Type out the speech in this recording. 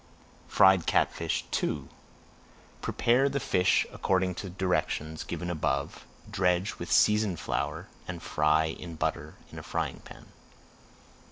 FRIED CATFISH II Prepare the fish according to directions given above, dredge with seasoned flour, and fry in butter in a frying pan.